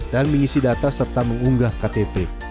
mengisi data serta mengunggah ktp